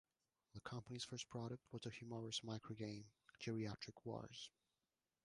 The company's first product was the humorous microgame "Geriatric Wars".